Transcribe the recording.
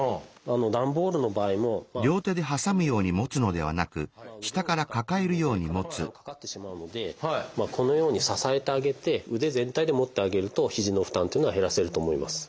段ボールの場合もまあこのように持つと腕を使ってるのでかなり負担かかってしまうのでこのように支えてあげて腕全体で持ってあげると肘の負担っていうのは減らせると思います。